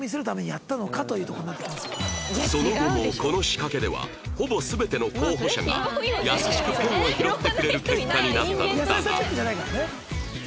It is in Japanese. その後もこの仕掛けではほぼ全ての候補者が優しくペンを拾ってくれる結果になったのだが